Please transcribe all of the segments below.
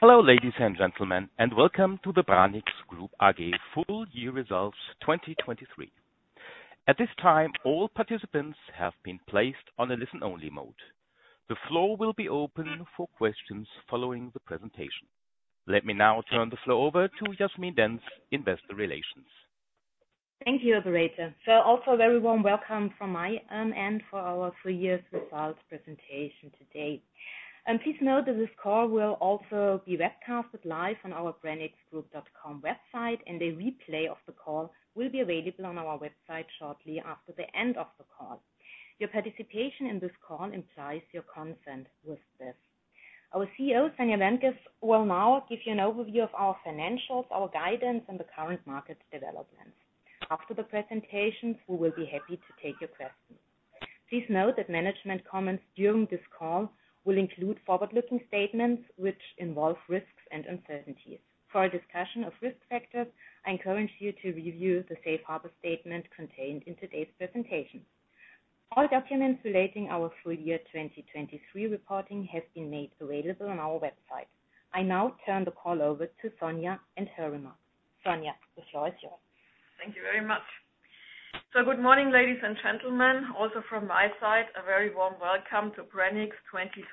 Hello, ladies and gentlemen. Welcome to the Branicks Group AG full year results 2023. At this time, all participants have been placed on a listen-only mode. The floor will be open for questions following the presentation. Let me now turn the floor over to Jasmin Dentz, investor relations. Thank you, operator. Also very warm welcome from my end for our full year results presentation today. Please note that this call will also be webcasted live on our branicks.com website. A replay of the call will be available on our website shortly after the end of the call. Your participation in this call implies your consent with this. Our CEO, Sonja Wärntges, will now give you an overview of our financials, our guidance, and the current market developments. After the presentations, we will be happy to take your questions. Please note that management comments during this call will include forward-looking statements, which involve risks and uncertainties. For a discussion of risk factors, I encourage you to review the safe harbor statement contained in today's presentation. All documents relating our full year 2023 reporting have been made available on our website. I now turn the call over to Sonja Wärntges and her remarks. Sonja, the floor is yours. Thank you very much. Good morning, ladies and gentlemen, also from my side, a very warm welcome to Branicks 2023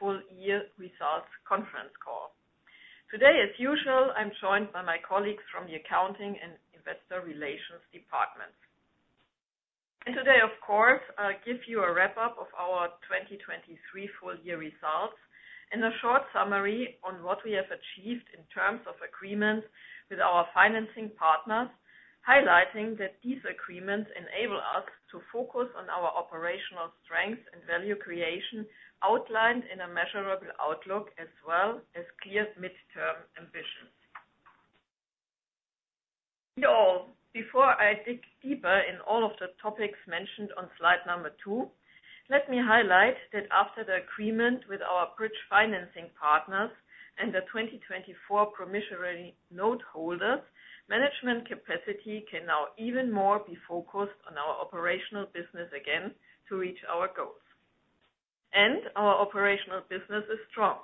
full year results conference call. Today, as usual, I'm joined by my colleagues from the accounting and Investor Relations departments. Today, of course, I'll give you a wrap-up of our 2023 full year results and a short summary on what we have achieved in terms of agreements with our financing partners, highlighting that these agreements enable us to focus on our operational strengths and value creation outlined in a measurable outlook as well as clear midterm ambitions. Before I dig deeper in all of the topics mentioned on slide number 2, let me highlight that after the agreement with our bridge financing partners and the 2024 promissory note holders, management capacity can now even more be focused on our operational business again to reach our goals. Our operational business is strong.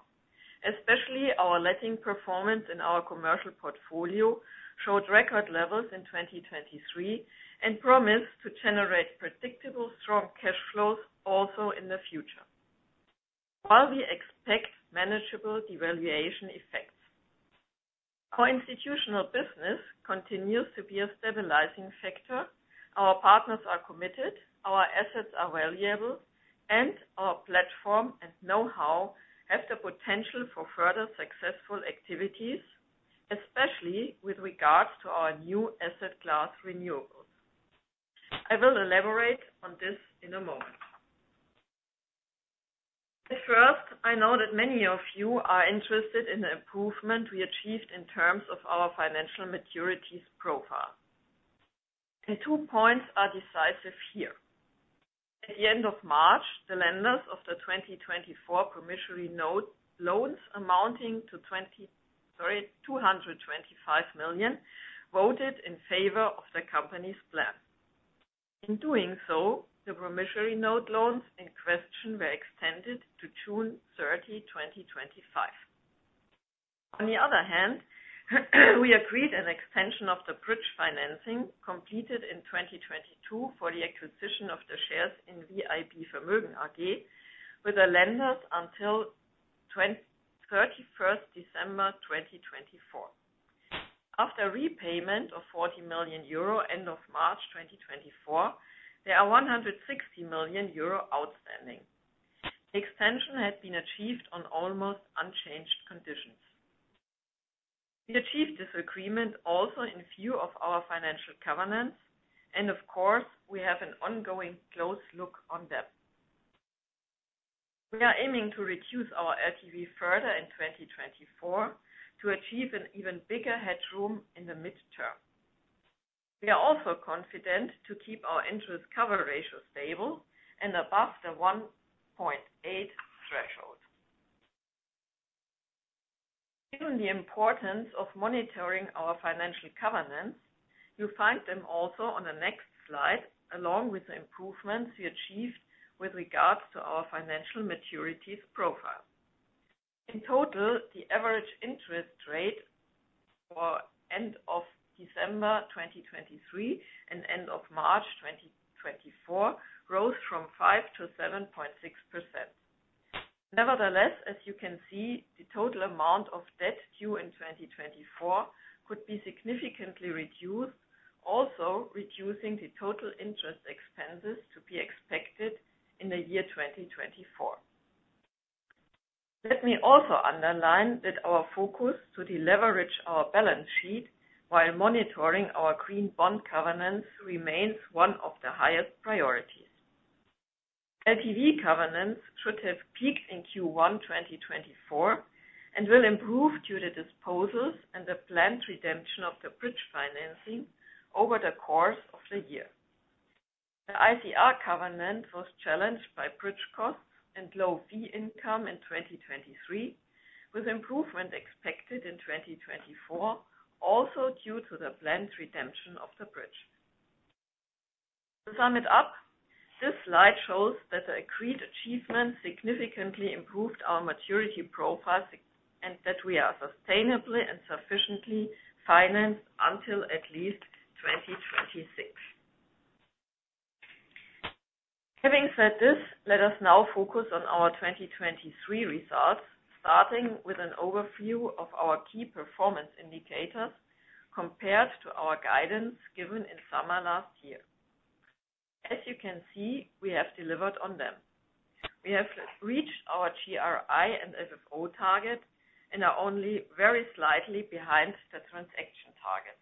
Especially our letting performance in our commercial portfolio showed record levels in 2023 and promised to generate predictable, strong cash flows also in the future, while we expect manageable devaluation effects. Co-institutional business continues to be a stabilizing factor. Our partners are committed, our assets are valuable, and our platform and know-how have the potential for further successful activities, especially with regards to our new asset class renewables. I will elaborate on this in a moment. First, I know that many of you are interested in the improvement we achieved in terms of our financial maturities profile. The two points are decisive here. At the end of March, the lenders of the 2024 promissory note loans amounting to 225 million, voted in favor of the company's plan. In doing so, the promissory note loans in question were extended to June 30, 2025. We agreed an extension of the bridge financing completed in 2022 for the acquisition of the shares in VIB Vermögen AG with the lenders until December 31st, 2024. After repayment of 40 million euro end of March 2024, there are 160 million euro outstanding. The extension has been achieved on almost unchanged conditions. We achieved this agreement also in view of our financial covenants, we have an ongoing close look on them. We are aiming to reduce our LTV further in 2024 to achieve an even bigger headroom in the midterm. We are also confident to keep our interest cover ratio stable and above the 1.8 threshold. Given the importance of monitoring our financial covenants, you find them also on the next slide, along with the improvements we achieved with regards to our financial maturities profile. In total, the average interest rate for end of December 2023 and end of March 2024 rose from 5% to 7.6%. As you can see, the total amount of debt due in 2024 could be significantly reduced, also reducing the total interest expenses to be expected in the year 2024. Let me also underline that our focus to deleverage our balance sheet while monitoring our green bond covenants remains one of the highest priorities. LTV covenants should have peaked in Q1 2024 and will improve due to disposals and the planned redemption of the bridge financing over the course of the year. The ICR covenant was challenged by bridge costs and low fee income in 2023, with improvement expected in 2024, also due to the planned redemption of the bridge. This slide shows that the agreed achievements significantly improved our maturity profile, and that we are sustainably and sufficiently financed until at least 2026. Let us now focus on our 2023 results, starting with an overview of our key performance indicators compared to our guidance given in summer last year. As you can see, we have delivered on them. We have reached our GRI and FFO target and are only very slightly behind the transaction target.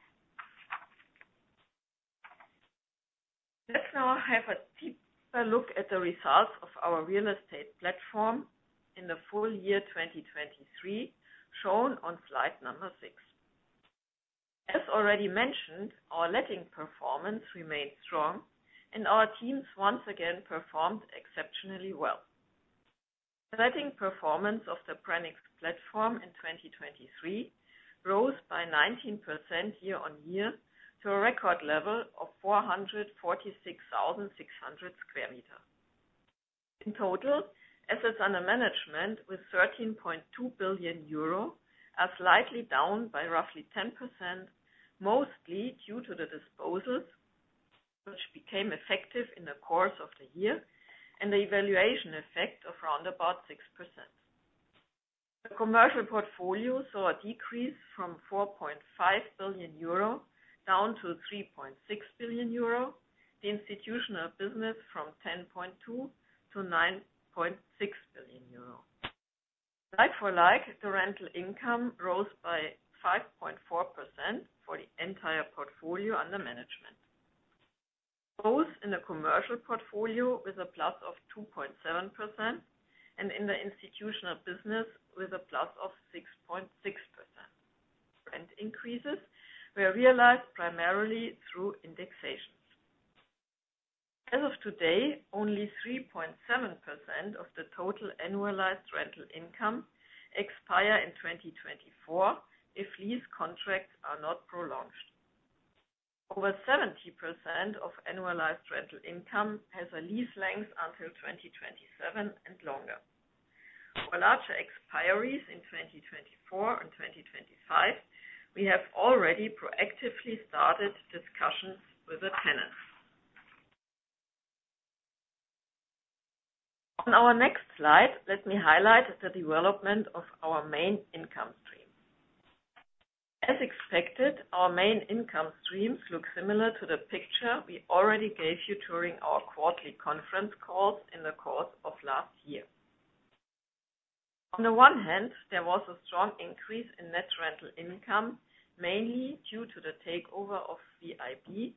Let's now have a deeper look at the results of our real estate platform in the full year 2023, shown on slide number 6. As already mentioned, our letting performance remained strong, and our teams once again performed exceptionally well. The letting performance of the Branicks platform in 2023 rose by 19% year-on-year to a record level of 446,600 sq m. In total, assets under management with 13.2 billion euro are slightly down by roughly 10%, mostly due to the disposals which became effective in the course of the year and the evaluation effect of around about 6%. The commercial portfolio saw a decrease from 4.5 billion euro down to 3.6 billion euro, the institutional business from 10.2 billion to 9.6 billion euro. Like-for-like, the rental income rose by 5.4% for the entire portfolio under management. Both in the commercial portfolio with a plus of 2.7% and in the institutional business with a plus of 6.6%. Rent increases were realized primarily through indexations. As of today, only 3.7% of the total annualized rental income expire in 2024 if lease contracts are not prolonged. Over 70% of annualized rental income has a lease length until 2027 and longer. For larger expiries in 2024 and 2025, we have already proactively started discussions with the tenants. On our next slide, let me highlight the development of our main income stream. As expected, our main income streams look similar to the picture we already gave you during our quarterly conference calls in the course of last year. On the one hand, there was a strong increase in net rental income, mainly due to the takeover of VIB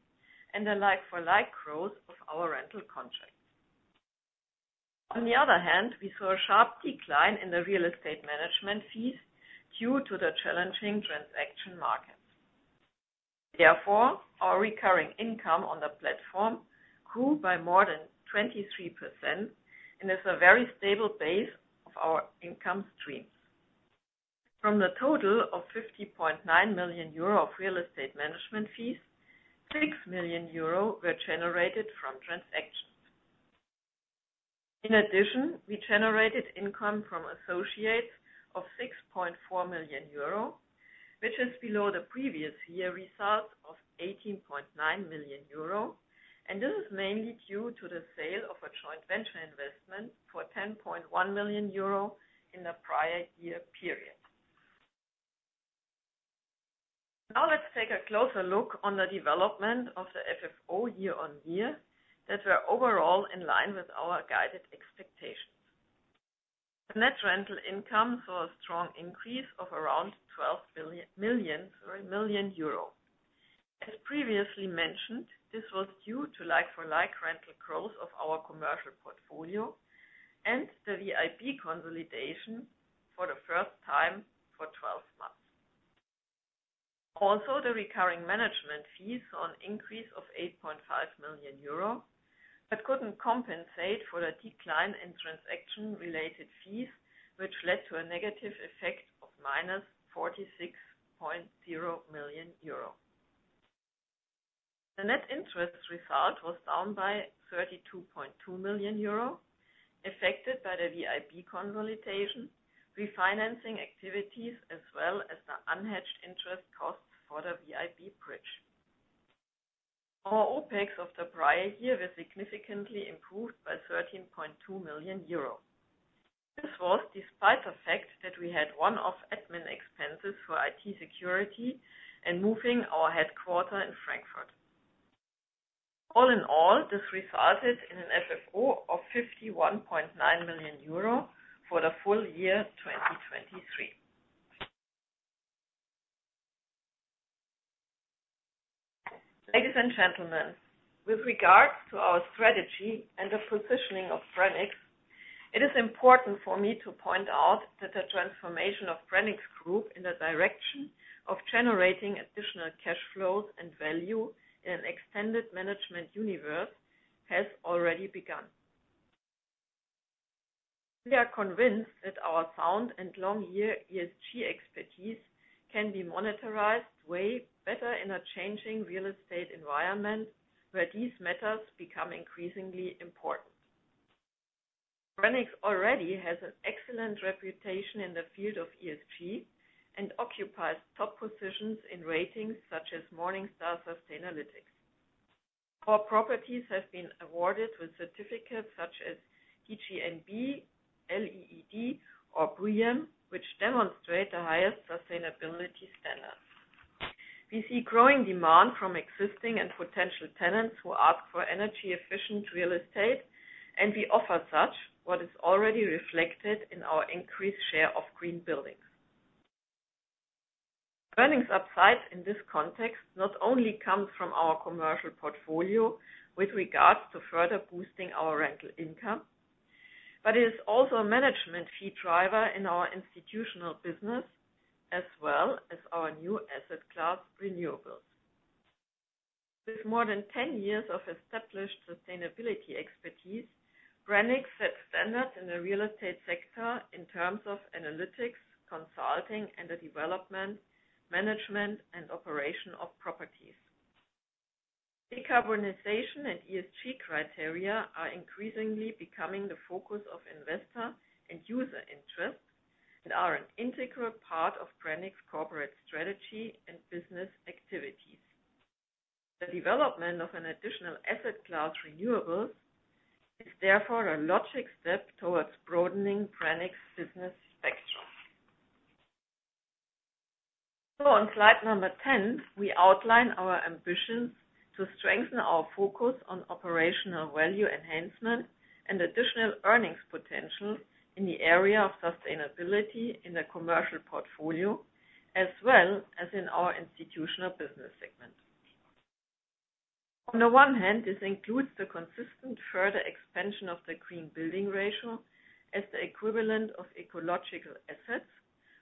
and the like-for-like growth of our rental contracts. On the other hand, we saw a sharp decline in the real estate management fees due to the challenging transaction market. Our recurring income on the platform grew by more than 23% and is a very stable base of our income streams. From the total of 50.9 million euro of real estate management fees, 6 million euro were generated from transactions. In addition, we generated income from associates of 6.4 million euro, which is below the previous year result of 18.9 million euro, and this is mainly due to the sale of a joint venture investment for 10.1 million euro in the prior year period. Now let's take a closer look on the development of the FFO year-on-year that were overall in line with our guided expectations. The net rental income saw a strong increase of around 12 million euro. As previously mentioned, this was due to like-for-like rental growth of our commercial portfolio and the VIB consolidation for the first time for 12 months. The recurring management fees saw an increase of 8.5 million euro, couldn't compensate for the decline in transaction-related fees, which led to a negative effect of -46.0 million euro. The net interest result was down by 32.2 million euro, affected by the VIB consolidation, refinancing activities, as well as the unhedged interest costs for the VIB bridge. Our OpEx of the prior year was significantly improved by 13.2 million euro. This was despite the fact that we had one-off admin expenses for IT security and moving our headquarter in Frankfurt. All in all, this resulted in an FFO of 51.9 million euro for the full year 2023. Ladies and gentlemen, with regards to our strategy and the positioning of Branicks, it is important for me to point out that the transformation of Branicks Group in the direction of generating additional cash flows and value in an extended management universe has already begun. We are convinced that our sound and long year ESG expertise can be monetized way better in a changing real estate environment, where these matters become increasingly important. Branicks already has an excellent reputation in the field of ESG and occupies top positions in ratings such as Morningstar Sustainalytics. Our properties have been awarded with certificates such as DGNB, LEED or BREEAM, which demonstrate the highest sustainability standards. We see growing demand from existing and potential tenants who ask for energy efficient real estate, and we offer such, what is already reflected in our increased share of green buildings. Earnings upside in this context not only comes from our commercial portfolio with regards to further boosting our rental income, but is also a management fee driver in our institutional business, as well as our new asset class renewables. With more than 10 years of established sustainability expertise, Branicks sets standards in the real estate sector in terms of analytics, consulting and the development, management and operation of properties. Decarbonization and ESG criteria are increasingly becoming the focus of investor and user interest and are an integral part of Branicks' corporate strategy and business activities. The development of an additional asset class renewables is therefore a logic step towards broadening Branicks' business spectrum. On slide number 10, we outline our ambitions to strengthen our focus on operational value enhancement and additional earnings potential in the area of sustainability in the commercial portfolio, as well as in our institutional business segment. On the one hand, this includes the consistent further expansion of the green building ratio as the equivalent of ecological assets,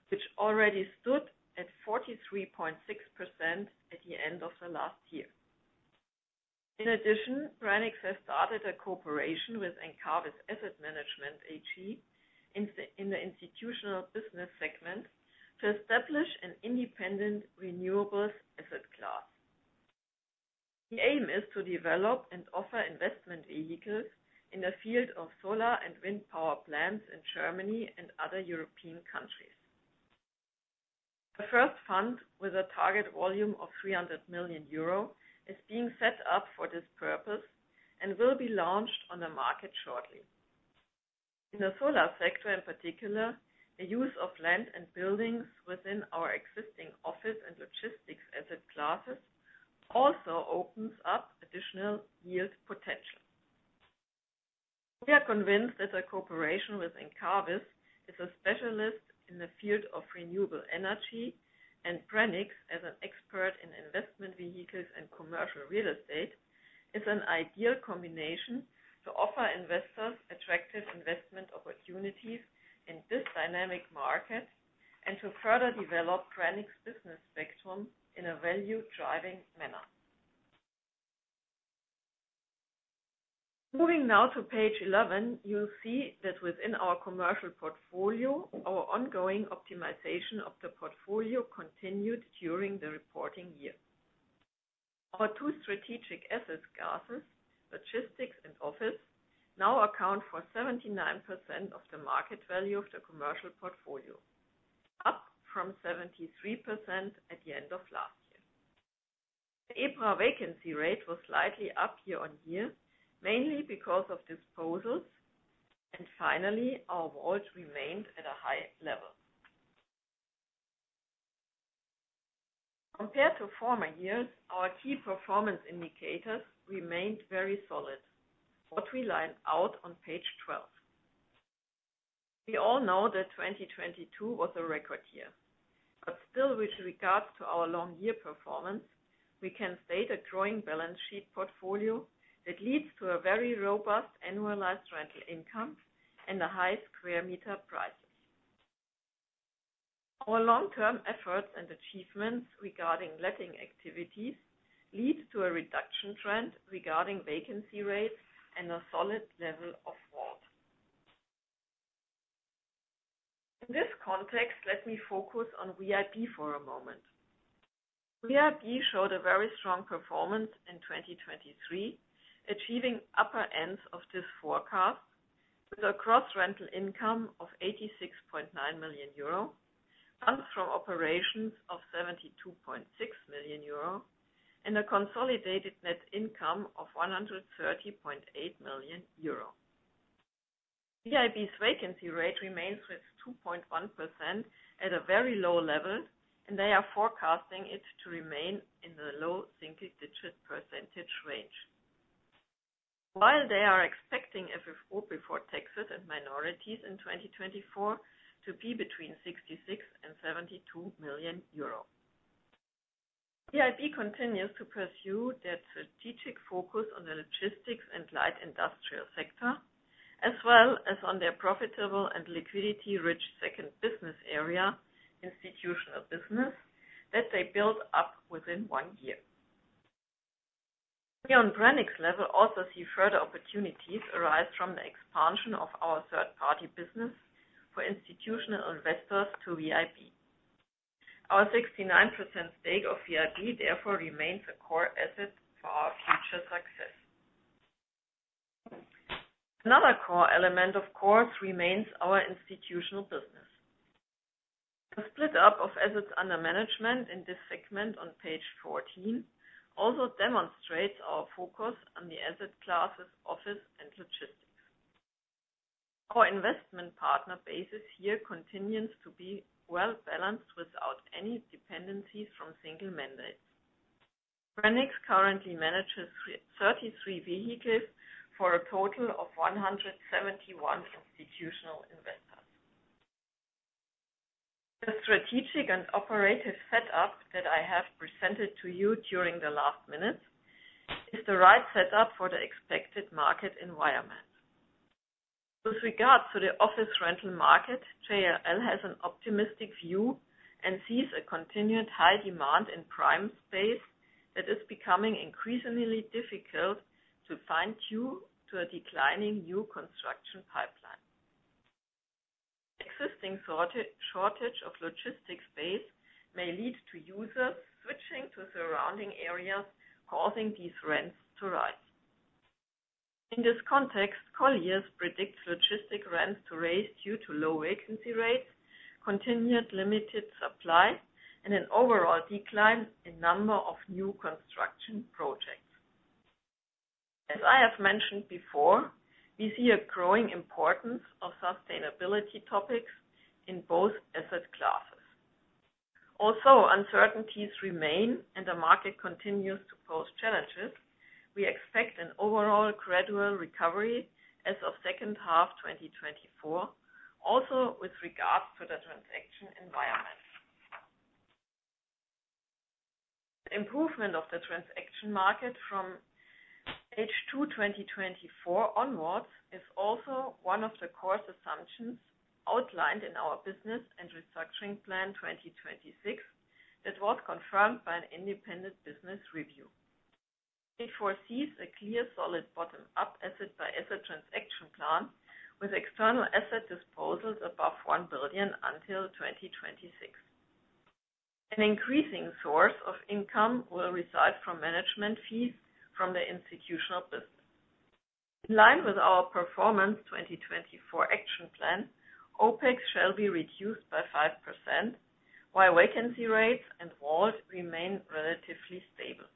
which already stood at 43.6% at the end of the last year. In addition, Branicks has started a cooperation with Encavis Asset Management AG in the institutional business segment to establish an independent renewables asset class. The aim is to develop and offer investment vehicles in the field of solar and wind power plants in Germany and other European countries. The first fund, with a target volume of 300 million euro, is being set up for this purpose and will be launched on the market shortly. In the solar sector in particular, the use of land and buildings within our existing office and logistics asset classes also opens up additional yield potential. We are convinced that our cooperation with Encavis is a specialist in the field of renewable energy and Branicks as an expert in investment vehicles and commercial real estate, is an ideal combination to offer investors attractive investment opportunities in this dynamic market and to further develop Branicks' business spectrum in a value driving manner. Moving now to page 11, you'll see that within our commercial portfolio, our ongoing optimization of the portfolio continued during the reporting year. Our two strategic assets classes, logistics and office, now account for 79% of the market value of the commercial portfolio, up from 73% at the end of last year. The EPRA Vacancy Rate was slightly up year-over-year, mainly because of disposals, and finally, our WAULT remained at a high level. Compared to former years, our key performance indicators remained very solid, what we line out on page 12. We all know that 2022 was a record year. Still with regards to our long year performance, we can state a growing balance sheet portfolio that leads to a very robust annualized rental income and high square meter prices. Our long-term efforts and achievements regarding letting activities lead to a reduction trend regarding vacancy rates and a solid level of WAULT. In this context, let me focus on VIB for a moment. VIB showed a very strong performance in 2023, achieving upper ends of this forecast with a Gross rental income of 86.9 million euro, funds from operations of 72.6 million euro, and a consolidated net income of 130.8 million euro. VIB's vacancy rate remains with 2.1% at a very low level, and they are forecasting it to remain in the low single-digit percentage range. While they are expecting FFO before taxes and minorities in 2024 to be between 66 million and 72 million euros. VIB continues to pursue their strategic focus on the logistics and light industrial sector, as well as on their profitable and liquidity-rich second business area, institutional business, that they built up within one year. We on Branicks level also see further opportunities arise from the expansion of our third-party business for institutional investors to VIB. Our 69% stake of VIB therefore remains a core asset for our future success. Another core element, of course, remains our institutional business. The split up of assets under management in this segment on page 14 also demonstrates our focus on the asset classes office and logistics. Core investment partner basis here continues to be well-balanced without any dependencies from single mandates. Branicks currently manages 33 vehicles for a total of 171 institutional investors. The strategic and operative setup that I have presented to you during the last minutes is the right setup for the expected market environment. With regards to the office rental market, JLL has an optimistic view and sees a continued high demand in prime space that is becoming increasingly difficult to find due to a declining new construction pipeline. Existing shortage of logistics space may lead to users switching to surrounding areas, causing these rents to raise. In this context, Colliers predicts logistics rents to raise due to low vacancy rates, continued limited supply, and an overall decline in number of new construction projects. As I have mentioned before, we see a growing importance of sustainability topics in both asset classes. Also, uncertainties remain and the market continues to pose challenges. We expect an overall gradual recovery as of H2 2024, also with regards to the transaction environment. Improvement of the transaction market from H2 2024 onwards is also one of the core assumptions outlined in our business and restructuring plan 2026 that was confirmed by an independent business review. It foresees a clear solid bottom-up asset by asset transaction plan with external asset disposals above 1 billion until 2026. An increasing source of income will reside from management fees from the institutional business. In line with our Performance 2024 action plan, OpEx shall be reduced by 5%, while vacancy rates and WAULT remain relatively stable.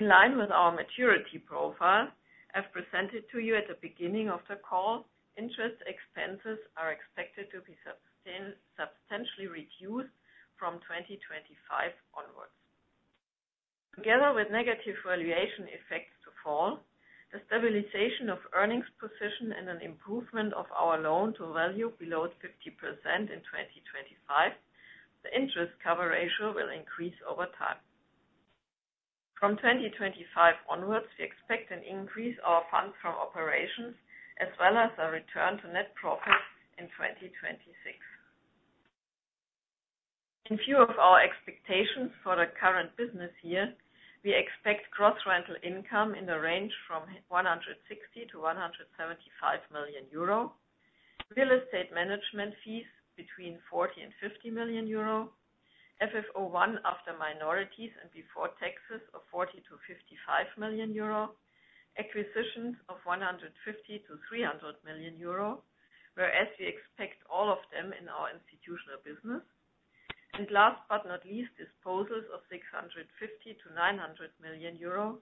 In line with our maturity profile, as presented to you at the beginning of the call, interest expenses are expected to be substantially reduced from 2025 onwards. Together with negative valuation effects to fall, the stabilization of earnings position and an improvement of our loan to value below 50% in 2025, the interest cover ratio will increase over time. From 2025 onwards, we expect an increase of funds from operations as well as a return to net profit in 2026. In view of our expectations for the current business year, we expect gross rental income in the range from 160 million-175 million euro, real estate management fees between 40 million and 50 million euro, FFO 1 after minorities and before taxes of 40 million-55 million euro, acquisitions of 150 million-300 million euro, whereas we expect all of them in our institutional business. Last but not least, disposals of 650 million-900 million euro,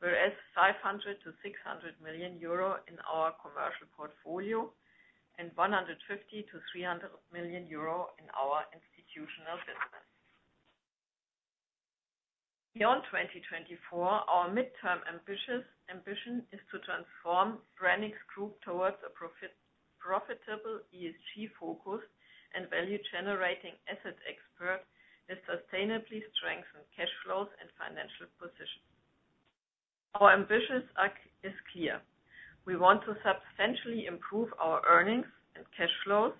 whereas 500 million-600 million euro in our commercial portfolio and 150 million-300 million euro in our institutional business. Beyond 2024, our midterm ambition is to transform Branicks Group towards a profitable ESG focus and value generating asset expert that sustainably strengthen cash flows and financial positions. Our ambition is clear. We want to substantially improve our earnings and cash flows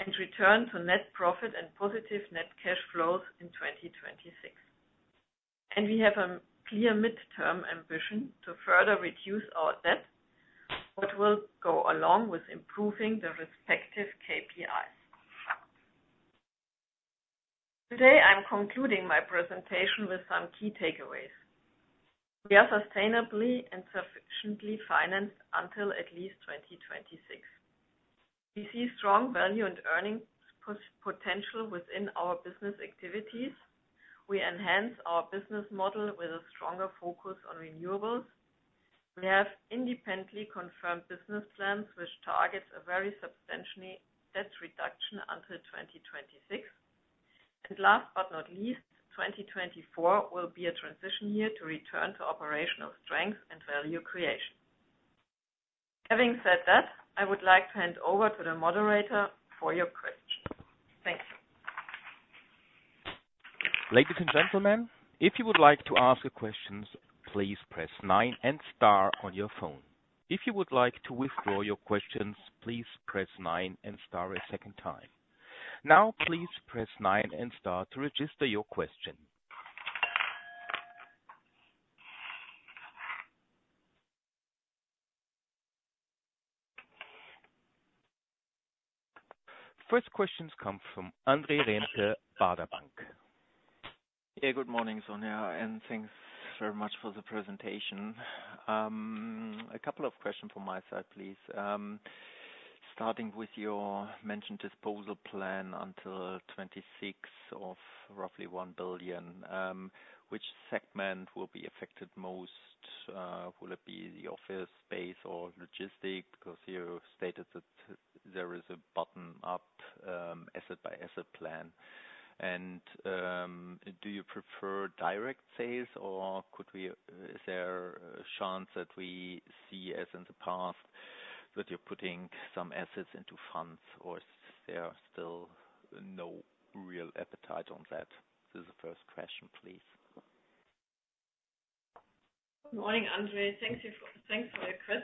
and return to net profit and positive net cash flows in 2026. We have a clear midterm ambition to further reduce our debt, what will go along with improving the respective KPIs. Today, I'm concluding my presentation with some key takeaways. We are sustainably and sufficiently financed until at least 2026. We see strong value and earnings potential within our business activities. We enhance our business model with a stronger focus on renewables. We have independently confirmed business plans which targets a very substantial debt reduction until 2026. Last but not least, 2024 will be a transition year to return to operational strength and value creation. Having said that, I would like to hand over to the moderator for your questions. Thank you. Ladies and gentlemen, if you would like to ask a question, please press nine and star on your phone. If you would like to withdraw your questions, please press nine and star a second time. Now please press nine and star to register your question. First questions come from André Wörnte, Baader Bank. Good morning, Sonja, thanks very much for the presentation. A couple of questions from my side, please. Starting with your mentioned disposal plan until 2026 of roughly 1 billion, which segment will be affected most? Will it be the office space or logistics? Because you stated that there is a bottom-up, asset-by-asset plan. Do you prefer direct sales or is there a chance that we see, as in the past, that you're putting some assets into funds or is there still no real appetite on that? This is the first question, please. Good morning, André. Thanks for your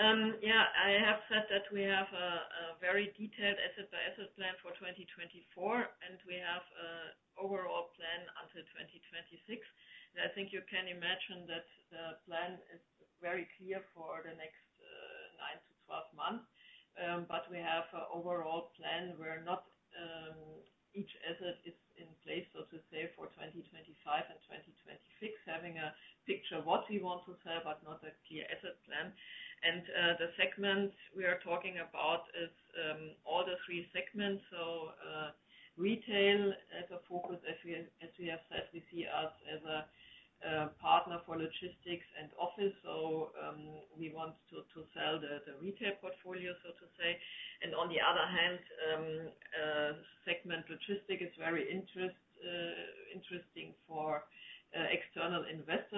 question. I have said that we have a very detailed asset-by-asset plan for 2024, and we have an overall plan until 2026. I think you can imagine that the plan is very clear for the next 9-12 months. We have an overall plan where not each asset is in place, so to say, for 2025 and 2026, having a picture what we want to sell, but not a clear asset plan. The segment we are talking about is all the three segments, so retail as a focus. As we have said, we see us as a partner for logistics and office. We want to sell the retail portfolio, so to say. On the other hand, segment logistic is very interesting for external investors.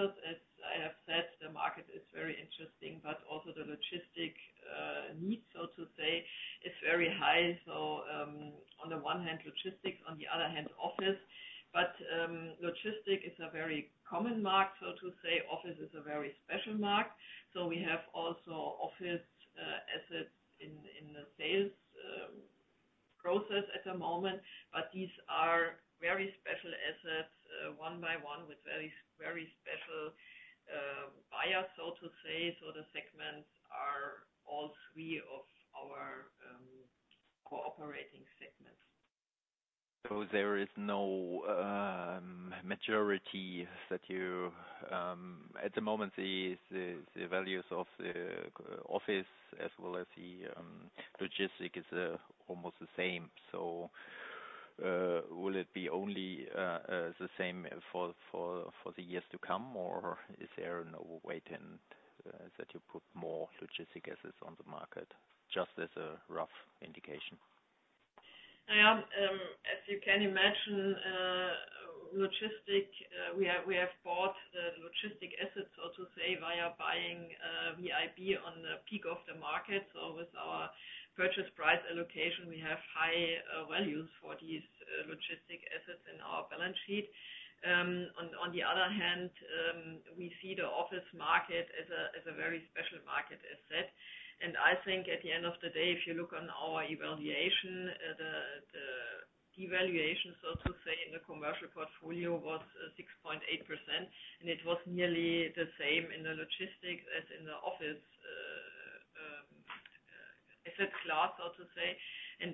As I have said, the market is very interesting, but also the logistic need, so to say, is very high. On the one hand, logistics, on the other hand, office. Logistic is a very common market, so to say. Office is a very special market. We have also office assets in the sales process at the moment, but these are very special assets, one by one, with very special buyers, so to say. The segments are all three of our cooperating segments. There is no majority that you-- at the moment, the values of the office as well as the logistics is almost the same. Will it be only the same for the years to come, or is there an overweight that you put more logistics assets on the market? Just as a rough indication. As you can imagine, logistics, we have bought the logistics assets, so to say, via buying VIB on the peak of the market. With our purchase price allocation, we have high values for these logistics assets in our balance sheet. On the other hand, we see the office market as a very special market asset. I think at the end of the day, if you look on our evaluation, the devaluation, so to say, in the commercial portfolio was 6.8%, and it was nearly the same in the logistics as in the office asset class, so to say.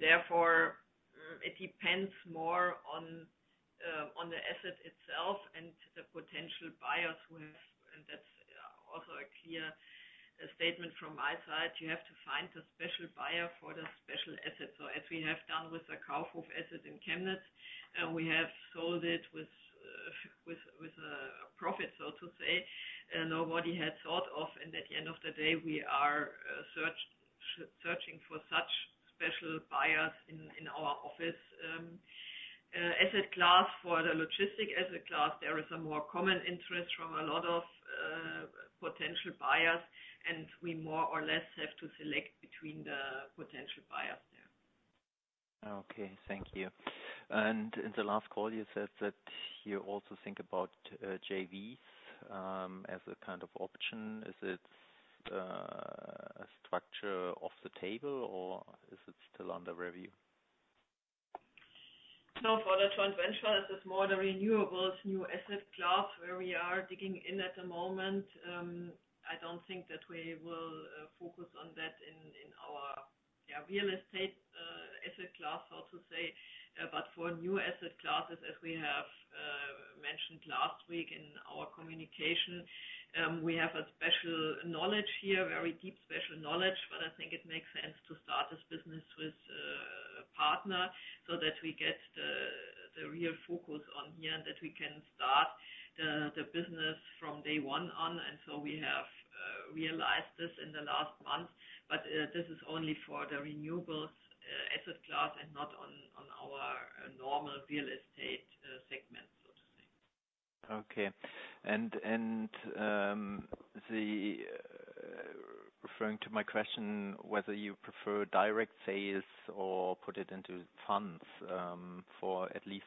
Therefore, it depends more on the asset itself and the potential buyers. That's also a clear statement from my side. You have to find a special buyer for the special asset. As we have done with the Kaufhof asset in Chemnitz, we have sold it with a profit, so to say. Nobody had thought of, and at the end of the day, we are searching for such special buyers in our office asset class. For the logistics asset class, there is a more common interest from a lot of potential buyers, and we more or less have to select between the potential buyers there. Okay. Thank you. In the last call, you said that you also think about JVs as a kind of option. Is its structure off the table, or is it still under review? For the joint venture, this is more the renewables new asset class where we are digging in at the moment. I don't think that we will focus on that in our real estate asset class, so to say. For new asset classes, as we have mentioned last week in our communication, we have a special knowledge here, very deep special knowledge. I think it makes sense to start this business with a partner so that we get the real focus on here, and that we can start the business from day one on. We have realized this in the last month, but this is only for the renewables asset class and not on our normal real estate segment, so to say. Okay. Referring to my question, whether you prefer direct sales or put it into funds, at least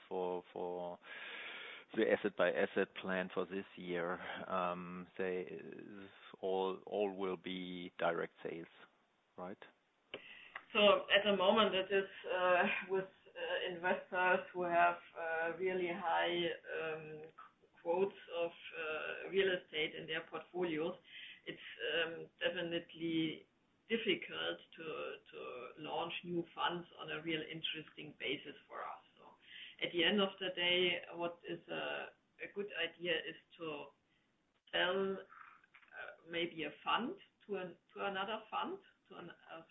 The asset by asset plan for this year, all will be direct sales, right? At the moment, with investors who have really high quotes of real estate in their portfolios, it's definitely difficult to launch new funds on a really interesting basis for us. At the end of the day, what is a good idea is to sell maybe a fund to another fund,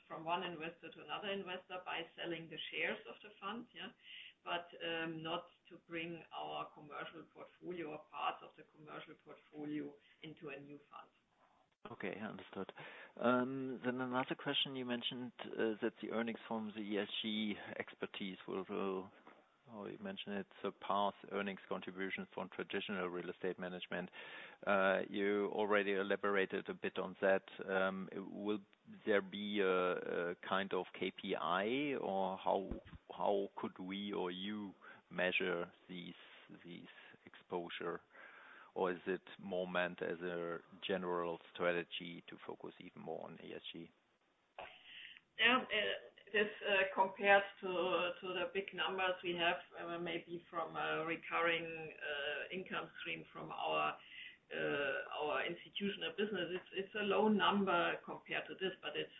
from one investor to another investor by selling the shares of the fund. Not to bring our commercial portfolio or part of the commercial portfolio into a new fund. Okay, understood. Another question you mentioned, that the earnings from the ESG expertise will, how you mention it, surpass earnings contributions from traditional real estate management. You already elaborated a bit on that. Will there be a kind of KPI or how could we or you measure this exposure, or is it more meant as a general strategy to focus even more on ESG? Yeah. This compares to the big numbers we have, maybe from a recurring income stream from our institutional business. It's a low number compared to this, but it's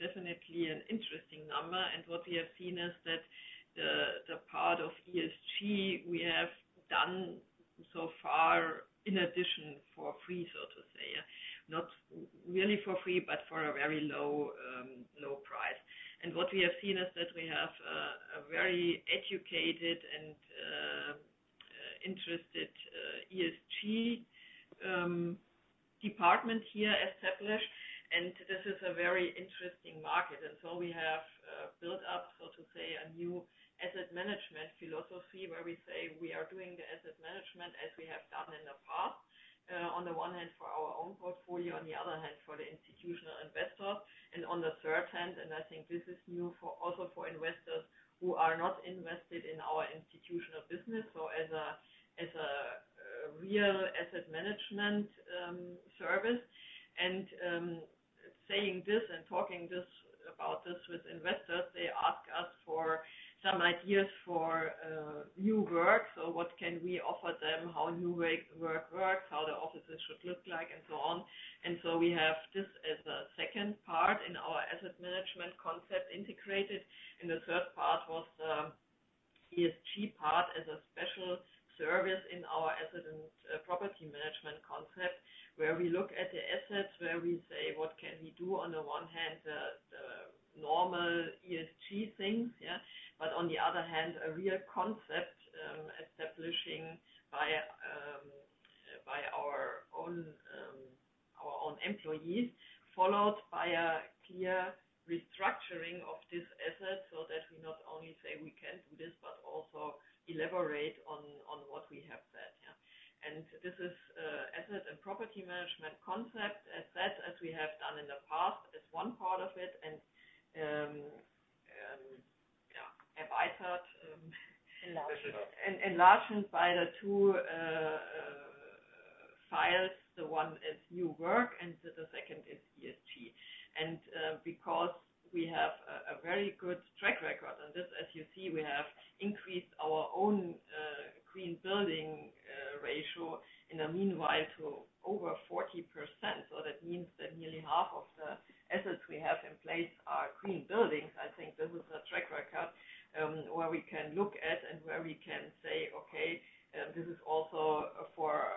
definitely an interesting number. What we have seen is that the part of ESG we have done so far, in addition, for free, so to say. Not really for free, but for a very low price. What we have seen is that we have a very educated and interested ESG department here established, and this is a very interesting market. We have built up, so to say, a new asset management philosophy where we say we are doing the asset management as we have done in the past. On the one hand, for our own portfolio, on the other hand, for the institutional investor, on the third hand, I think this is new also for investors who are not invested in our institutional business, as a real asset management service. Saying this and talking about this with investors, they ask us for some ideas for new work. What can we offer them, how new work works, how the offices should look like and so on. We have this as a second part in our asset management concept integrated. The third part was the ESG part as a special service in our asset and property management concept, where we look at the assets, where we say: what can we do? On the one hand, the normal ESG things. On the other hand, a real concept establishing by our own employees, followed by a clear restructuring of this asset so that we not only say we can do this, but also elaborate on what we have said. This is asset and property management concept as that as we have done in the past is one part of it and enlarged by the two files. One is new work and the second is ESG. Because we have a very good track record on this, as you see, we have increased our own green building ratio in the meanwhile to over 40%. That means that nearly half of the assets we have in place are green buildings. I think this is a track record, where we can look at and where we can say, okay, this is also for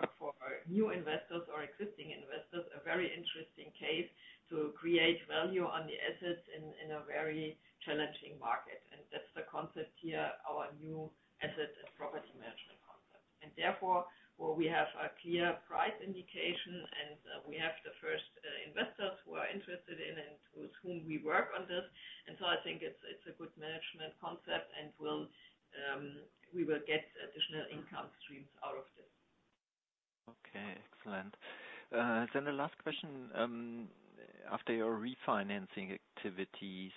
new investors or existing investors, a very interesting case to create value on the assets in a very challenging market. That's the concept here, our new asset and property management concept. Therefore, where we have a clear price indication and we have the first investors who are interested in and with whom we work on this. I think it's a good management concept and we will get additional income streams out of this. Okay, excellent. The last question. After your refinancing activities,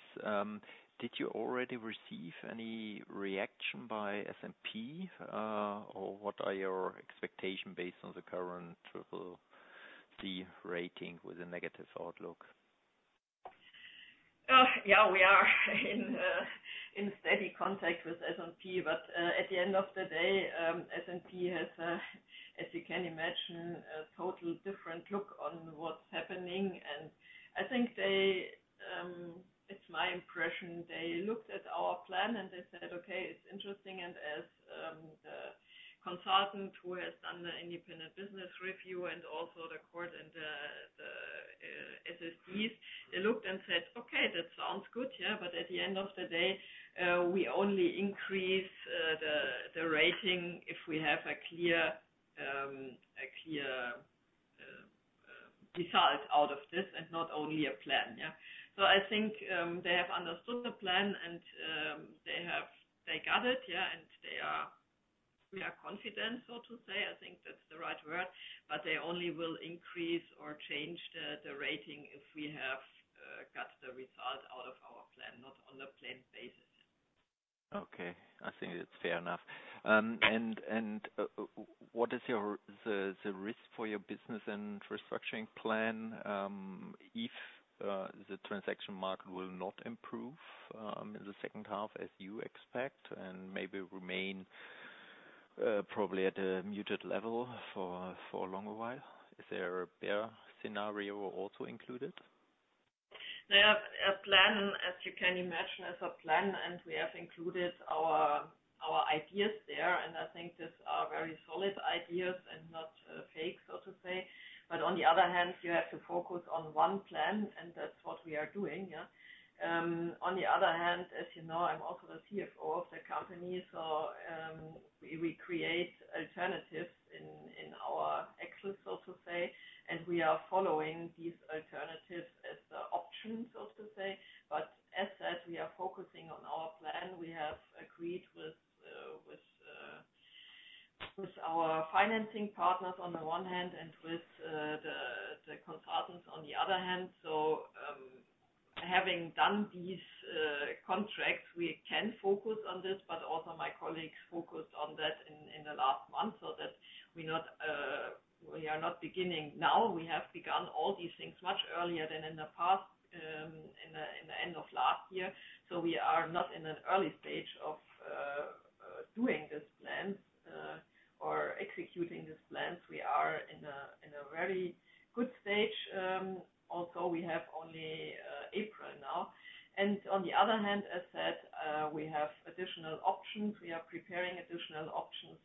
did you already receive any reaction by S&P? What are your expectation based on the current CCC rating with a negative outlook? We are in steady contact with S&P. At the end of the day, S&P has, as you can imagine, a total different look on what's happening. I think it's my impression they looked at our plan and they said, "Okay, it's interesting." As a consultant who has done the independent business review and also the court and the SSPs, they looked and said, "Okay, that sounds good. At the end of the day, we only increase the rating if we have a clear result out of this and not only a plan." I think they have understood the plan and they got it, and we are confident, so to say, I think that's the right word, they only will increase or change the rating if we have got the result out of our plan. On the planned basis. Okay. I think it's fair enough. What is the risk for your business and restructuring plan if the transaction market will not improve in the H2 as you expect, and maybe remain probably at a muted level for a longer while? Is there a bear scenario also included? We have a plan, as you can imagine, is a plan, we have included our ideas there, I think these are very solid ideas and not fake, so to say. You have to focus on one plan, that's what we are doing. On the other hand, as you know, I'm also the CFO of the company, we create alternatives in our excellence, so to say, we are following these alternatives as options, so to say. As such, we are focusing on our plan. We have agreed with our financing partners on the one hand, with the consultants on the other hand. Having done these contracts, we can focus on this, my colleagues focused on that in the last month, that we are not beginning now. We have begun all these things much earlier than in the past, in the end of last year. We are not in an early stage of doing these plans, or executing these plans. We are in a very good stage. Also we have only April now. On the other hand, as said, we have additional options. We are preparing additional options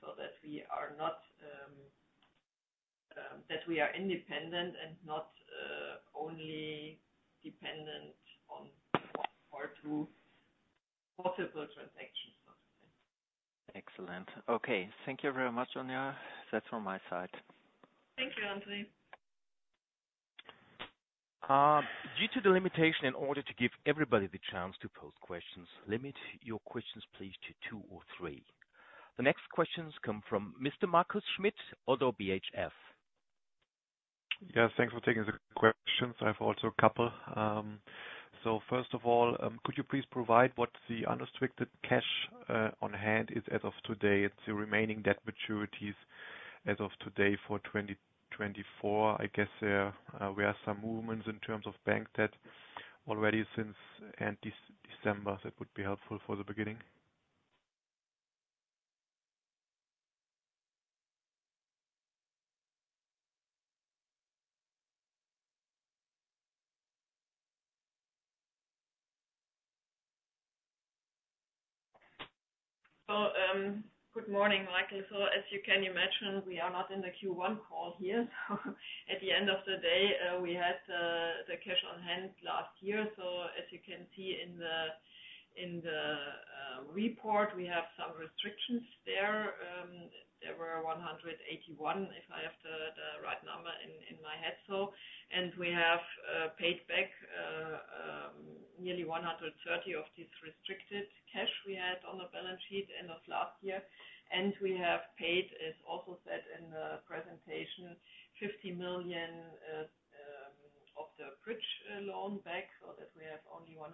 that we are independent and not only dependent on one or two possible transactions. Excellent. Okay. Thank you very much, Sonja. That's from my side. Thank you, André Wörnte. Due to the limitation, in order to give everybody the chance to pose questions, limit your questions please to two or three. The next questions come from Mr. Markus Schmitt, ODDO BHF. Yes, thanks for taking the questions. I have also a couple. First of all, could you please provide what the unrestricted cash on hand is as of today? The remaining debt maturities as of today for 2024. I guess there were some movements in terms of bank debt already since end December. That would be helpful for the beginning. Good morning, Markus. As you can imagine, we are not in the Q1 call here. At the end of the day, we had the cash on hand last year. As you can see in the report, we have some restrictions there. There were 181, if I have the right number in my head. We have paid back nearly 130 of these restricted cash we had on the balance sheet end of last year. We have paid, as also said in the presentation, 50 million of the bridge loan back, so that we have only 160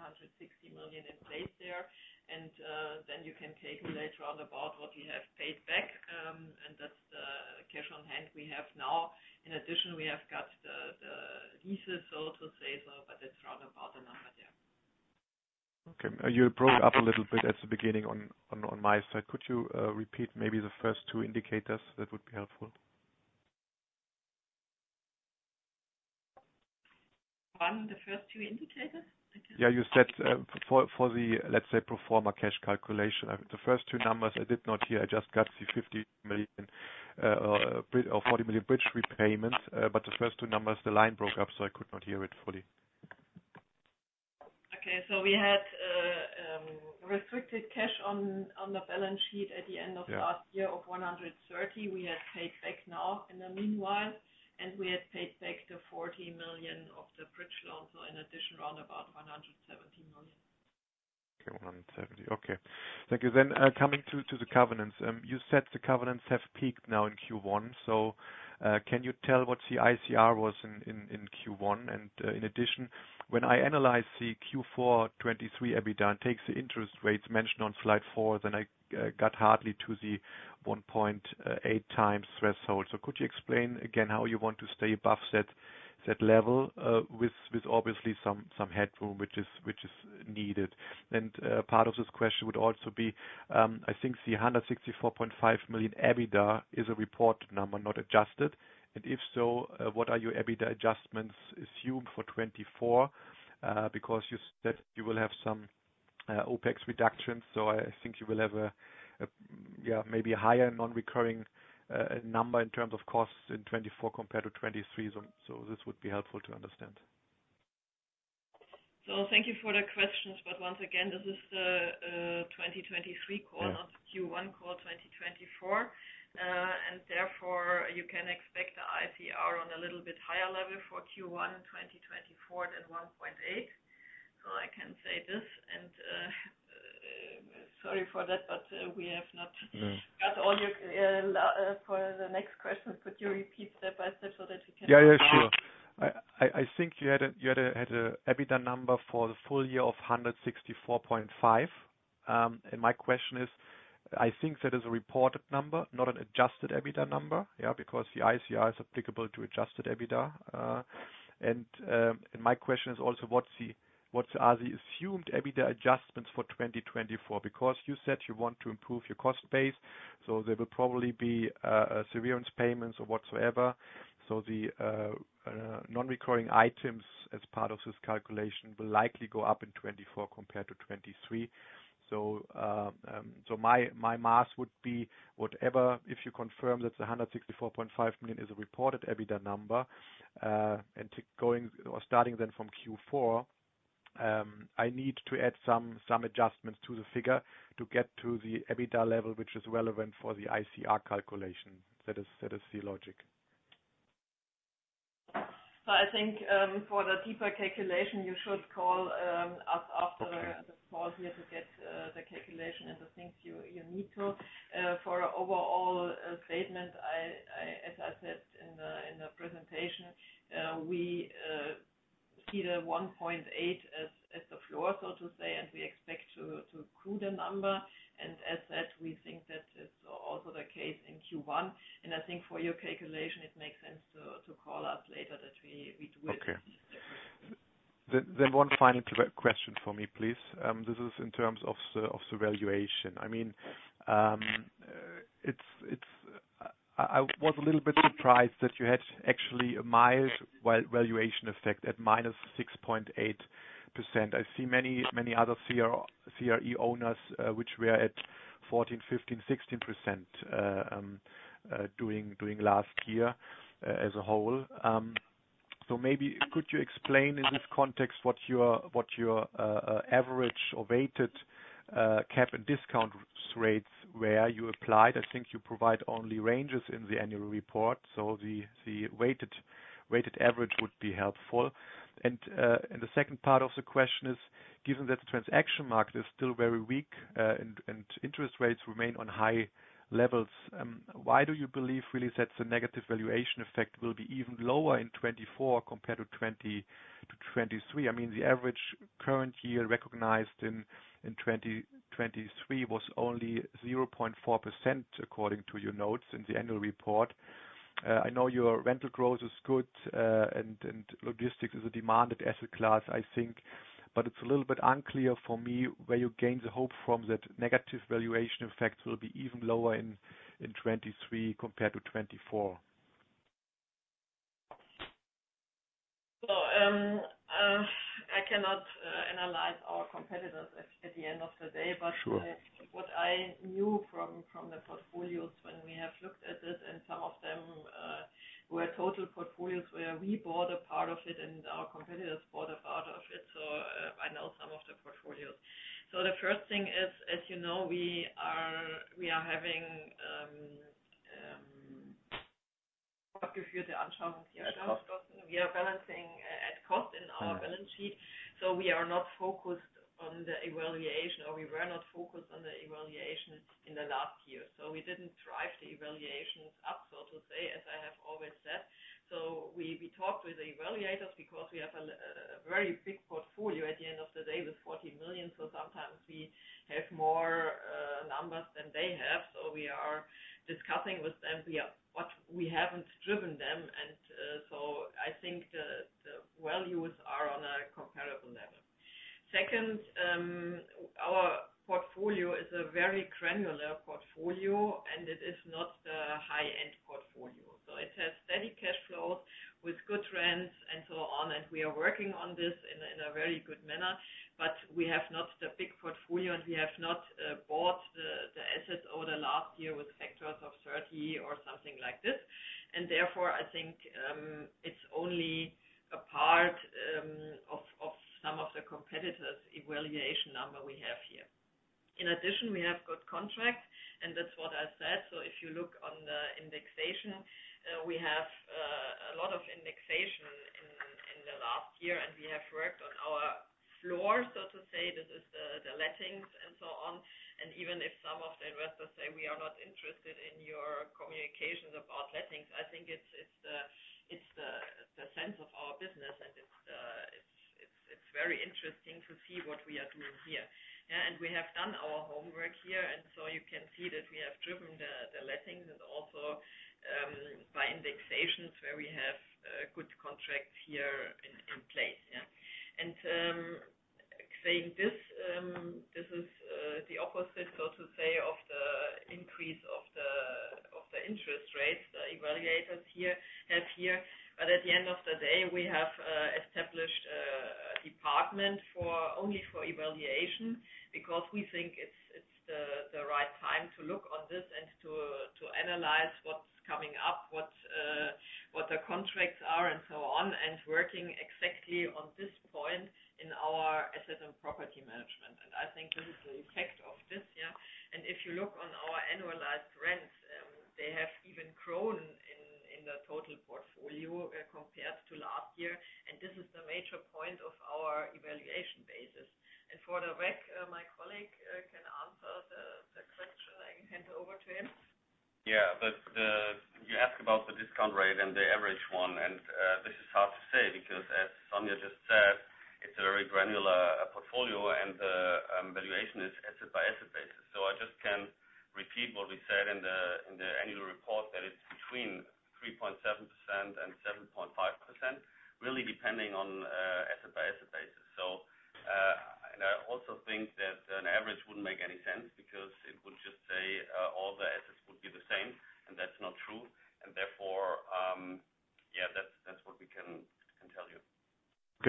million in place there. Then you can take later on about what we have paid back, that's the cash on hand we have now. In addition, we have got the leases, so to say, but that's round about the number there. Okay. You broke up a little bit at the beginning on my side. Could you repeat maybe the first two indicators? That would be helpful. One, the first two indicators? Yeah, you said for the let's say pro forma cash calculation, the first two numbers I did not hear. I just got the 50 million or 40 million bridge repayment. The first two numbers, the line broke up, so I could not hear it fully. Okay, we had restricted cash on the balance sheet at the end of last year of 130 million. We had paid back now in the meanwhile, and we had paid back the 40 million of the bridge loan. In addition, round about 170 million. Okay. 170 million. Okay. Thank you. Coming to the covenants. You said the covenants have peaked now in Q1. Can you tell what the ICR was in Q1? In addition, when I analyze the Q4 2023 EBITDA and takes the interest rates mentioned on slide 4, I got hardly to the 1.8x threshold. Could you explain again how you want to stay above that level, with obviously some headroom, which is needed. Part of this question would also be, I think the 164.5 million EBITDA is a reported number, not adjusted. If so, what are your EBITDA adjustments assumed for 2024? Because you said you will have some OpEx reductions, I think you will have a maybe higher non-recurring number in terms of costs in 2024 compared to 2023. This would be helpful to understand. Thank you for the questions. Once again, this is the 2023 call- Yeah. -not Q1 call 2024. You can expect the ICR on a little bit higher level for Q1 in 2024 than 1.8x. I can say this. Sorry for that, we have not got all your-- for the next question. Could you repeat step by step so that we can follow? Yeah, sure. I think you had a EBITDA number for the full year of 164.5 million. My question is, I think that is a reported number, not an adjusted EBITDA number. Yeah, because the ICR is applicable to adjusted EBITDA. My question is also what are the assumed EBITDA adjustments for 2024? Because you said you want to improve your cost base, there will probably be severance payments or whatsoever. The non-recurring items as part of this calculation will likely go up in 2024 compared to 2023. My math would be whatever, if you confirm that the 164.5 million is a reported EBITDA number. Starting from Q4, I need to add some adjustments to the figure to get to the EBITDA level, which is relevant for the ICR calculation. That is the logic. I think for the deeper calculation, you should call us after the call here to get the calculation and the things you need to. For overall statement, as I said in the presentation, we see the 1.8x as the floor, so to say, and we expect to accrue the number. As said, we think that is also the case in Q1. I think for your calculation, it makes sense to call us later that we do it. Okay. One final question for me, please. This is in terms of the valuation. I was a little bit surprised that you had actually a mild valuation effect at -6.8%. I see many other CRE owners, which were at 14%, 15%, 16% during last year as a whole. Maybe could you explain in this context what your average or weighted cap and discount rates where you applied? I think you provide only ranges in the annual report, so the weighted average would be helpful. The second part of the question is, given that the transaction market is still very weak and interest rates remain on high levels, why do you believe really that the negative valuation effect will be even lower in 2024 compared to 2023? The average current year recognized in 2023 was only 0.4%, according to your notes in the annual report. I know your rental growth is good, logistics is a demanded asset class, I think. It's a little bit unclear for me where you gain the hope from that negative valuation effects will be even lower in 2023 compared to 2024. I cannot analyze our competitors at the end of the day. Sure. What I knew from the portfolios when we have looked at it, and some of them were total portfolios where we bought a part of it and our competitors bought a part of it, I know some of the portfolios. The first thing is, as you know, we are having-- are balancing at cost in our balance sheet, we are not focused on the evaluation, or we were not focused on the evaluation in the last year. We didn't drive the evaluations up, so to say, as I have always said. We talked with the evaluators because we have a very big portfolio at the end of the day with 40 million. Sometimes we have more numbers than they have. We are discussing with them, but we haven't driven them, I think the values are on a comparable level. Second, our portfolio is a very granular portfolio, and it is not a high-end portfolio. It has steady cash flows with good rents and so on. We are working on this in a very good manner, but we have not the big portfolio, and we have not bought the assets over the last year with factors of 30 or something like this. Therefore, I think, it's only a part of some of the competitors' evaluation number we have here. In addition, we have good contracts, and that's what I said. If you look on the indexation, we have a lot of indexation in the last year, and we have worked on our floor, so to say, this is the lettings and so on. Even if some of the investors say, "We are not interested in your communications about lettings," I think it's the sense of our business, and it's very interesting to see what we are doing here. We have done our homework here, and you can see that we have driven the lettings and also by indexations where we have good contracts here in place. Saying this is the opposite, so to say, of the increase of the interest rates the evaluators have here. At the end of the day, we have established a department only for evaluation because we think it's the right time to look on this and to analyze what's coming up, what the contracts are, and so on, and working exactly on this point in our asset and property management. I think this is the effect of this. If you look on our annualized rents, they have even grown total portfolio compared to last year, and this is the major point of our evaluation basis. For the rec, my colleague can answer the question. I hand over to him. You asked about the discount rate and the average one, this is hard to say because as Sonja Wärntges just said, it's a very granular portfolio and the valuation is asset-by-asset basis. I just can repeat what we said in the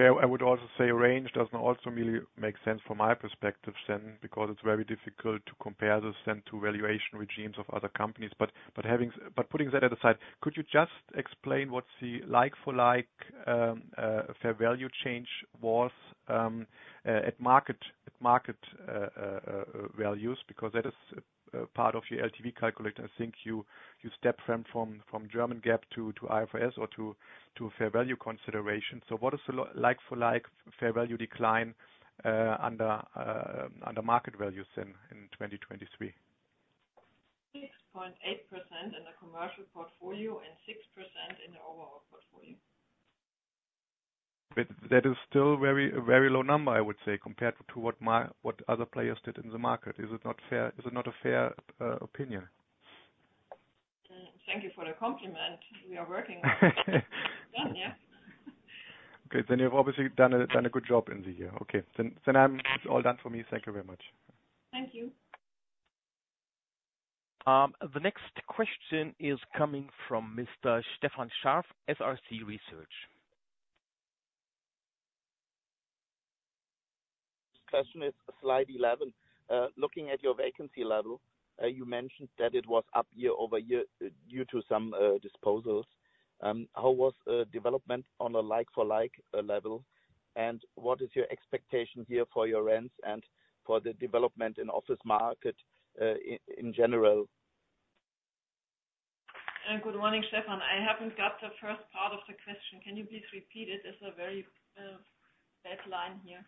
annual report, that it's between 3.7% and 7.5%, really depending on asset-by-asset basis. I also think that an average wouldn't make any sense because it would just say all the assets would be the same, and that's not true. Therefore, that's what we can tell you. Okay. I would also say range doesn't also really make sense from my perspective then, because it's very difficult to compare this then to valuation regimes of other companies. Putting that aside, could you just explain what's the like-for-like fair value change was at market values? Because that is part of your LTV calculator. I think you step from German GAAP to IFRS or to fair value consideration. What is the like-for-like fair value decline under market values then in 2023? 6.8% in the commercial portfolio and 6% in the overall portfolio. That is still a very low number, I would say, compared to what other players did in the market. Is it not a fair opinion? Thank you for the compliment. We are working on it. Yeah. Okay. You've obviously done a good job in the year. Okay. I'm all done for me. Thank you very much. Thank you. The next question is coming from Mr. Stefan Scharff, SRC Research. Question is slide 11. Looking at your vacancy level, you mentioned that it was up year-over-year due to some disposals. How was development on a like-for-like level, and what is your expectation here for your rents and for the development in office market in general? Good morning, Stefan. I haven't got the first part of the question. Can you please repeat it? It's a very bad line here.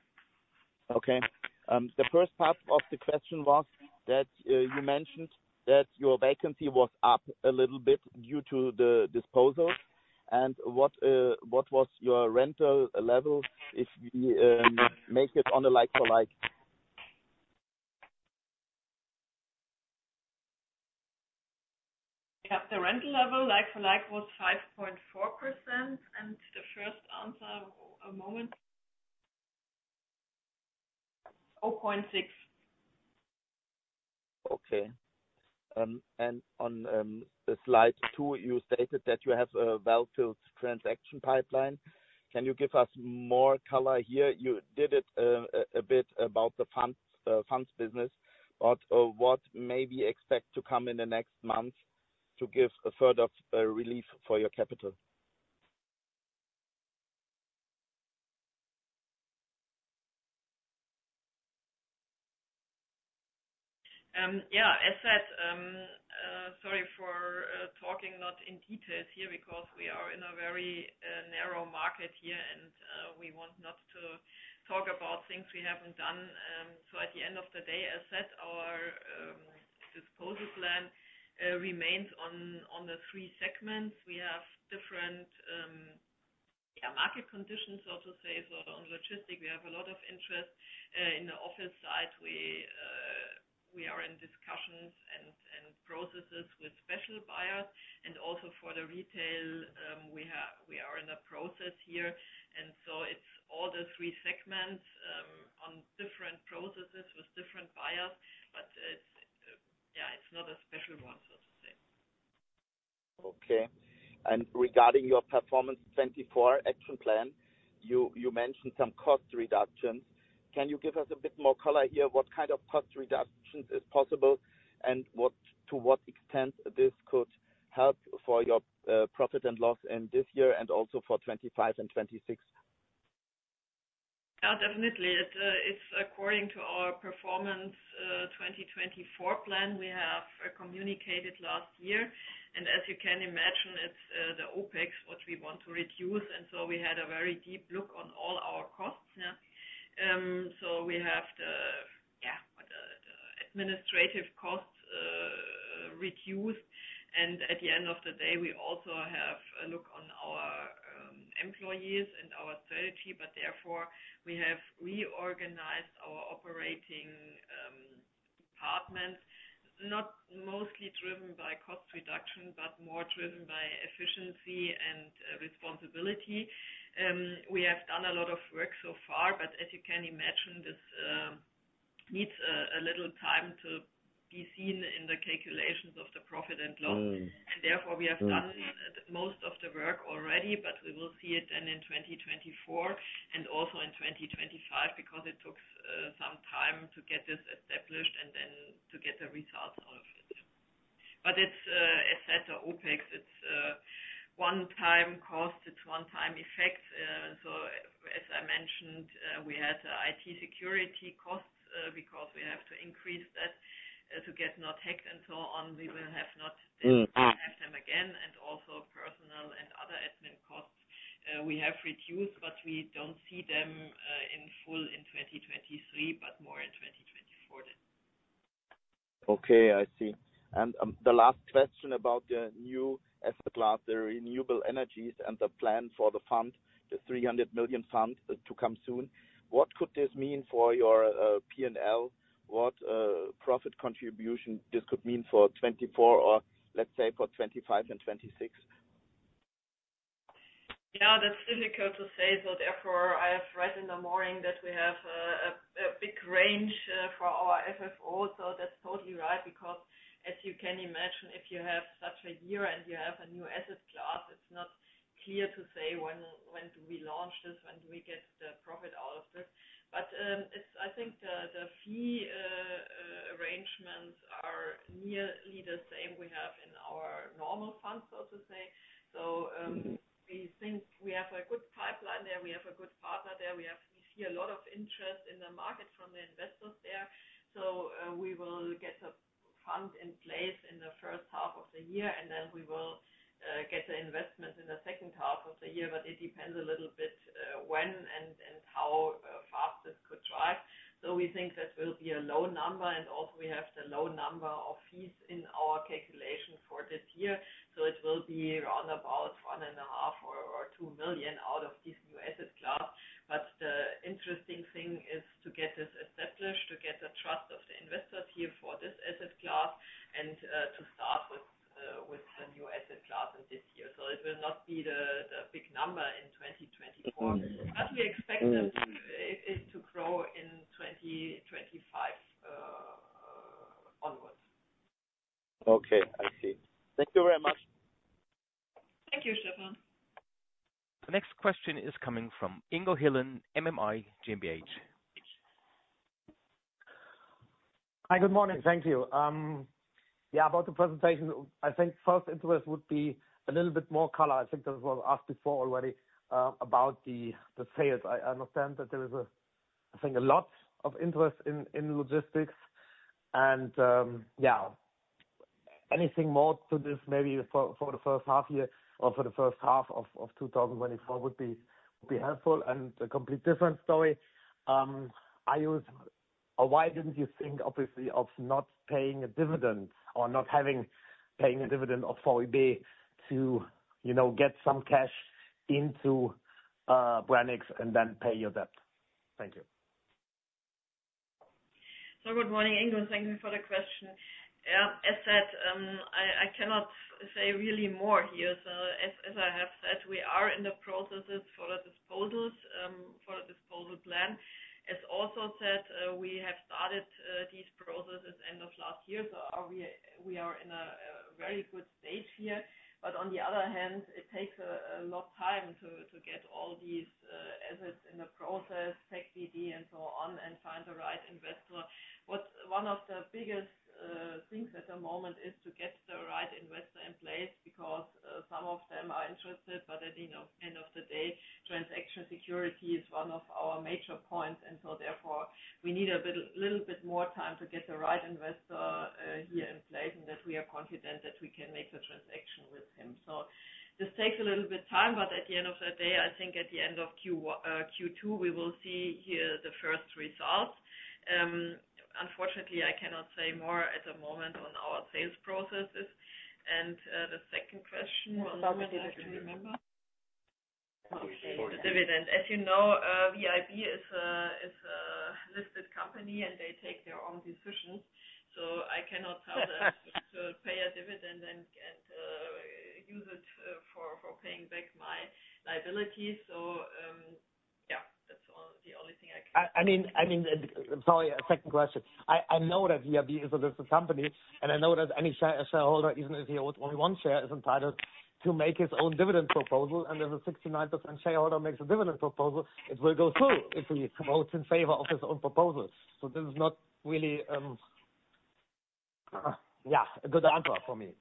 Okay. The first part of the question was that you mentioned that your vacancy was up a little bit due to the disposals. What was your rental level if you make it on a like-for-like? Yeah. The rental level like-for-like was 5.4%, and the first answer, a moment. 0.6. Okay. On slide 2, you stated that you have a well-filled transaction pipeline. Can you give us more color here? You did it a bit about the funds business. What maybe expect to come in the next month to give a further relief for your capital? Yeah. As said, sorry for talking not in details here because we are in a very narrow market here, and we want not to talk about things we haven't done. At the end of the day, as said, our disposal plan remains on the three segments. We have different market conditions, so to say. On logistics, we have a lot of interest. In the office side, we are in discussions and processes with special buyers. Also for the retail, we are in a process here. It is all the three segments, on different processes with different buyers. It is not a special one, so to say. Okay. Regarding your Performance 2024 action plan, you mentioned some cost reductions. Can you give us a bit more color here? What kind of cost reductions is possible, and to what extent this could help for your profit and loss in this year and also for 2025 and 2026? Oh, definitely. It is according to our Performance 2024 plan we have communicated last year. As you can imagine, it is the OpEx, what we want to reduce. We had a very deep look on all our costs. We have the administrative costs reduced. At the end of the day, we also have a look on our employees and our strategy. Therefore, we have reorganized our operating departments, not mostly driven by cost reduction, more driven by efficiency and responsibility. We have done a lot of work so far. As you can imagine, this needs a little time to be seen in the calculations of the profit and loss. Therefore, we have done most of the work already, we will see it then in 2024 and also in 2025 because it took some time to get this established and then to get the results out of it. It is asset or OpEx. It is a one-time cost. It is one-time effect. As I mentioned, we had IT security costs, because we have to increase that to get not hacked and so on. We will have-- we have them again. We have reduced, we do not see them in full in 2023, more in 2024 then. Okay, I see. The last question about the new asset class, the renewable energies and the plan for the fund, the 300 million fund to come soon. What could this mean for your P&L? What profit contribution this could mean for 2024 or let's say for 2025 and 2026? Yeah, that is difficult to say. Therefore, I have read in the morning that we have a big range for our FFO. That is totally right as you can imagine, if you have such a year and you have a new asset class, it is not clear to say when do we launch this, when do we get the profit out of this. I think the fee arrangements are nearly the same we have in our normal funds, so to say. We think we have a good pipeline there. We have a good partner there. We see a lot of interest in the market from the investors there. We will get the fund in place in H1 of the year, then we will get the investment in H2 of the year. It depends a little bit when and how fast this could drive. We think that will be a low number, and also we have the low number of fees in our calculation for this year. It will be around about 1.5 million or 2 million out of this new asset class. The interesting thing is to get this established, to get the trust of the investors here for this asset class and to start with the new asset class in this year. It will not be the big number in 2024. We expect it to grow in 2025 onwards. Okay, I see. Thank you very much. Thank you, Stefan. The next question is coming from Ingo Hillen, MMI GmbH. Good morning. Thank you. About the presentation, I think first interest would be a little bit more color. I think that was asked before already, about the sales. I understand that there is, I think, a lot of interest in logistics. Anything more to this, maybe for H1 of the year or for the H1 of 2024 would be helpful. A complete different story, why didn't you think, obviously, of not paying a dividend or not having paying a dividend of VIB to get some cash into Branicks and then pay your debt? Thank you. Good morning, Ingo, and thank you for the question. As said, I cannot say really more here. As I have said, we are in the processes for the disposals, for the disposal plan. As also said, we have started these processes end of last year, we are in a very good stage here. On the other hand, it takes a lot time to get all these assets in the process, Tech DD and so on, and find the right investor. One of the biggest things at the moment is to get the right investor in place because some of them are interested, but at end of the day, transaction security is one of our major points. Therefore, we need a little bit more time to get the right investor here in place, and that we are confident that we can make the transaction with him. This takes a little bit time, but at the end of the day, I think at the end of Q2, we will see here the first results. Unfortunately, I cannot say more at the moment on our sales processes. The second question was- The dividend. -do you remember? The dividend. Okay. The dividend. As you know, VIB is a listed company. They take their own decisions. I cannot tell them to pay a dividend and use it for paying back my liabilities. Yeah. That's the only thing I can- I mean, sorry, second question. I know that VIB is a listed company. I know that any shareholder, even if he owns only one share, is entitled to make his own dividend proposal. If the 69% shareholder makes a dividend proposal, it will go through if he votes in favor of his own proposal. This is not really, yeah, a good answer for me.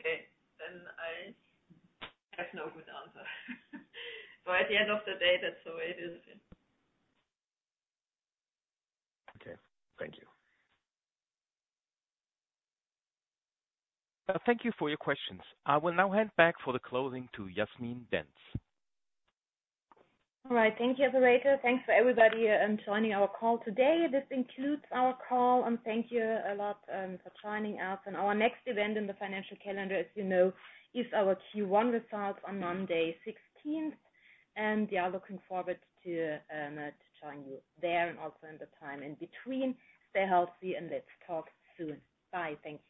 Okay. I have no good answer. At the end of the day, that's the way it is. Okay. Thank you. Thank you for your questions. I will now hand back for the closing to Jasmin Dentz. All right. Thank you, operator. Thanks for everybody joining our call today. This concludes our call, and thank you a lot for joining us. Our next event in the financial calendar, as you know, is our Q1 results on Monday 16th. Yeah, looking forward to joining you there and also in the time in between. Stay healthy and let's talk soon. Bye. Thank you.